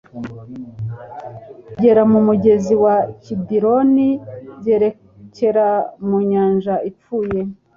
ugera mu mugezi wa Kidironi byerekera mu nyanja ipfuye.